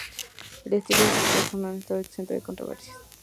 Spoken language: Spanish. El estilo de sus trabajos no ha estado exento de controversias.